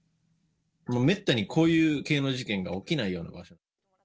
もうめったにこういう系の事件が起きないような場所。